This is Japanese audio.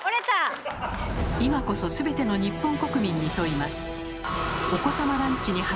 今こそすべての日本国民に問います。